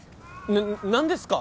な何ですか？